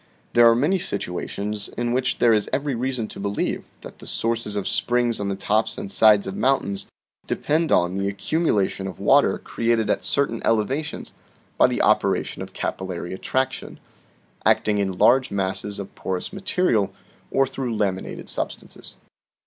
" There are many situations in which there is every reason to believe that the sources of springs on the tops and sides of mountains depend on the accumulation of water created at certain elevations by the operation of capillary attraction, acting in large masses of porous ma terial, or through laminated substances.